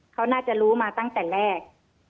เขาน่าจะรู้มาตั้งแต่แรก